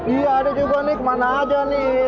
iya ada juga nih kemana aja nih